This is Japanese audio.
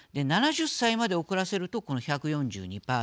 ７０歳まで遅らせるとこの１４２％。